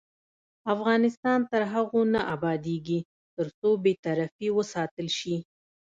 افغانستان تر هغو نه ابادیږي، ترڅو بې طرفي وساتل شي.